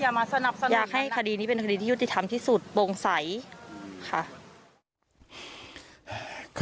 อยากให้คดีนี้เป็นคดีที่ยุติธรรมที่สุดโปรงใสค่ะ